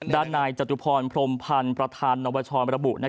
ด้านนายจตุพรพรมพันธ์ประธานนวชรมระบุ